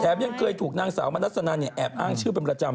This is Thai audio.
ยังเคยถูกนางสาวมนัสนันเนี่ยแอบอ้างชื่อเป็นประจำ